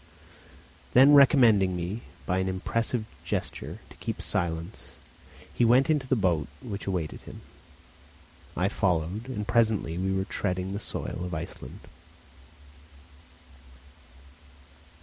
Then recommending me, by an impressive gesture, to keep silence, he went into the boat which awaited him. I followed, and presently we were treading the soil of Iceland.